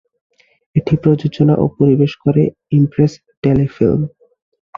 এটি প্রযোজনা ও পরিবেশনা করে ইমপ্রেস টেলিফিল্ম।